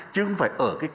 chứ không phải ở cái cao